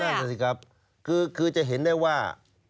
นั่นน่ะสิครับคือจะเห็นได้ว่า